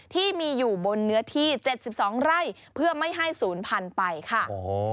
ที่มีอยู่บนเนื้อที่๗๒ไร่เพื่อไม่ให้ศูนย์พันธุ์ไปค่ะ